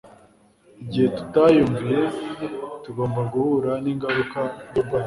igihe tutayumviye tugomba guhura n'ingaruka z'uburwayi